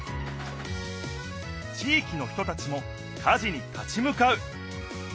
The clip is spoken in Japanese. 地いきの人たちも火事に立ち向かう。